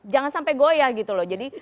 jangan sampai goyah gitu loh jadi